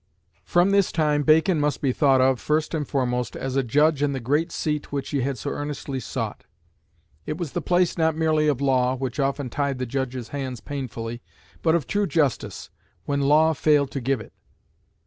From this time Bacon must be thought of, first and foremost, as a Judge in the great seat which he had so earnestly sought. It was the place not merely of law, which often tied the judge's hands painfully, but of true justice, when law failed to give it.